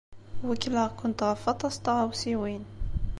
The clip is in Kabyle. Wekkleɣ-kent ɣef waṭas n tɣawsiwin.